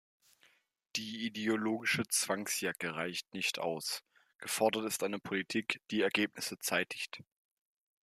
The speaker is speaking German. Die "ideologische Zwangsjacke" reicht nicht aus, gefordert ist eine Politik, die Ergebnisse zeitigt.